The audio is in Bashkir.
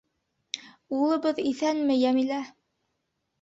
— Улыбыҙ иҫәнме, Йәмилә?